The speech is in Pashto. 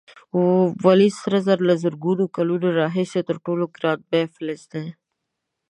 ولې سره زر له زرګونو کلونو راهیسې تر ټولو ګران بیه فلز دی؟